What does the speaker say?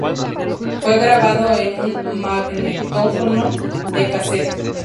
Fue grabado en un magnetófono de casete.